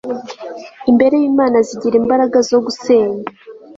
imbere y'imana zigira imbaraga zo gusenya